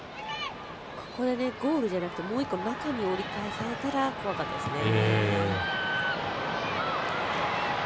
これでゴールじゃなくてもう一個、中に折り返されたら怖かったですね。